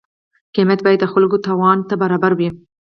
قیمت باید د خلکو توان ته برابر وي.